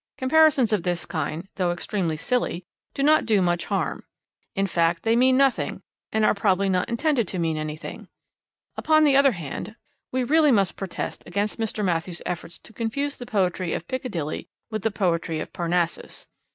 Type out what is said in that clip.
Comparisons of this kind, though extremely silly, do not do much harm. In fact, they mean nothing and are probably not intended to mean anything. Upon the other hand, we really must protest against Mr. Matthews' efforts to confuse the poetry of Piccadilly with the poetry of Parnassus.